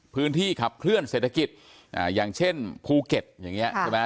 พื้นที่ขับเคลื่อนเศรษฐกิจอย่างเช่นภูเก็ตอย่างนี้ใช่ไหม